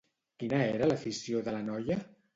Quina era l'afició de la noia?